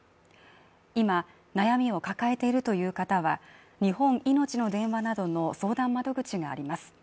今悩みを抱えているという方は、日本いのちの電話などの相談窓口があります。